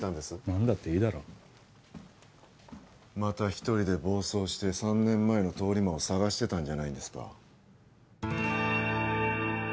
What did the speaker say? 何だっていいだろまた一人で暴走して３年前の通り魔を捜してたんじゃないんですか？